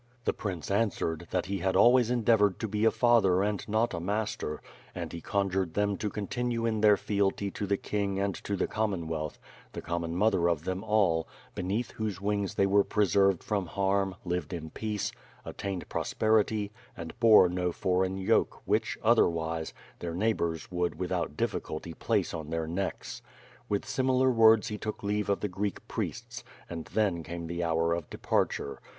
The prince answered, that he had always endeavored to be a father and not a master; and he conjured them to continue in their fealty to the king and to the Commonwealth, the common mother of them all, beneath whose wings they were preserved from harm, lived in peace, attained prosperity, and bore no foreign yoke, which, other wise, their neighbors would without difficulty place on their necks. With similar words he took leave of the Greek priests, and then came the hour of departure.